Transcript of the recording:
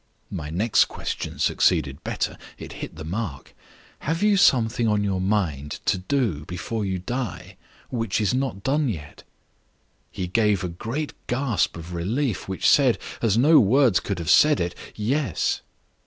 My next question succeeded better; it hit the mark: 'Have you something on your mind to do before you die which is not done yet?' He gave a great gasp of relief, which said, as no words could have said it, Yes.